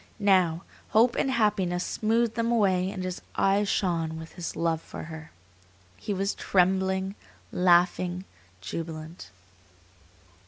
Now, hope and happiness smoothed them away and his eyes shone with his love for her. He was trembling, laughing, jubilant.